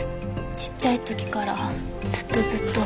ちっちゃい時からずっとずっと。